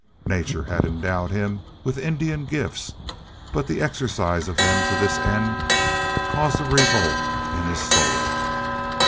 Nature had endowed him with Indian gifts, but the exercise of them to this end caused a revolt in his soul.